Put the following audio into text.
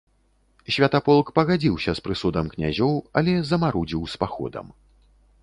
Святаполк пагадзіўся з прысудам князёў, але замарудзіў з паходам.